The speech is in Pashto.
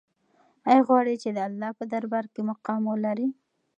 آیا غواړې چې د الله په دربار کې مقام ولرې؟